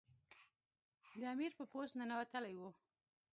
د امیر په پوست ننوتلی وو.